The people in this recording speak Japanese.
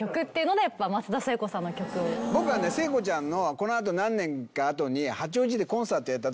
僕はね聖子ちゃんのこのあと何年かあとに。